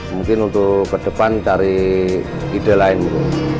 mungkin untuk ke depan cari ide lainnya